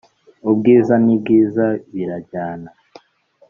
ubwiza ni bwiza birajyna